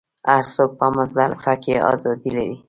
هر څوک په مزدلفه کې ازادي لري.